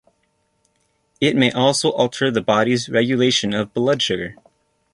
It may also alter the body's regulation of blood sugar.